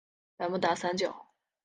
百慕达三角。